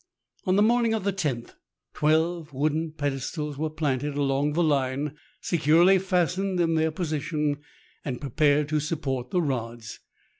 On the morning of the loth, twelve wooden pedestals were planted along the line, securely fastened in their posi tion, and prepared to support the rods.